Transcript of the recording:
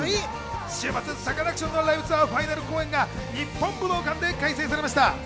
週末、サカナクションのライブツアーファイナル公演が日本武道館で開催されました。